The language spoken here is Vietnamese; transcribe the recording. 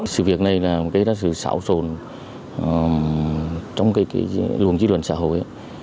sự việc này là một sự xảo rồn trong luồng dịch luận xã hội